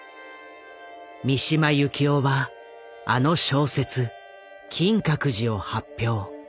三島由紀夫はあの小説「金閣寺」を発表。